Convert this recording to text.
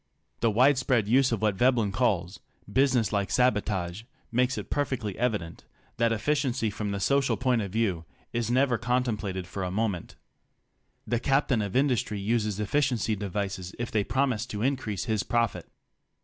The widespread use of what Veb len calls "business like sabotage" makes it perfectly evident that efficiency from the social point of view is never contem plated for a moment. The captain of industry uses efficiency devices if they promise to increase his profit.